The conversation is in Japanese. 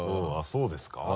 そうですか。